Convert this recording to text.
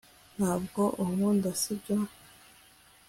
ntabwo unkunda, sibyo